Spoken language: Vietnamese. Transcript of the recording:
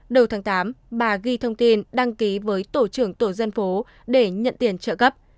đầu tháng tám bà ghi thông tin đăng ký với tổ trưởng tổ dân phố để nhận tiền trợ cấp